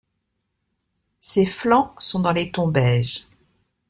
Ses flancs sont dans les tons beige.